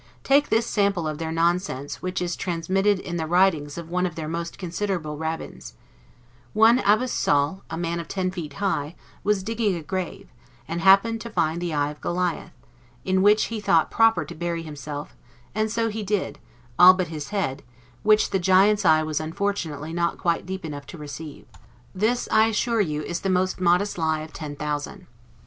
Take this sample of their nonsense, which is transmitted in the writings of one of their most considerable Rabbins: "One Abas Saul, a man of ten feet high, was digging a grave, and happened to find the eye of Goliah, in which he thought proper to bury himself, and so he did, all but his head, which the Giant's eye was unfortunately not quite deep enough to receive." This, I assure you, is the most modest lie of ten thousand.